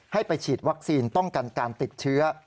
ให้ไปฉีดวัคซีนป้องกันการติดเชื้อ